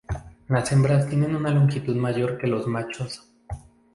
La hembras tienen una longitud mayor que los machos.